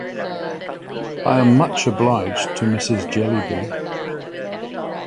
I am much obliged to Mrs. Jellyby.